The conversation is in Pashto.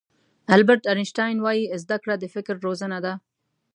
البرټ آینشټاین وایي زده کړه د فکر روزنه ده.